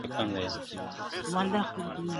جهاني د ړندو ښار دی هم کاڼه دي هم ګونګي دي!!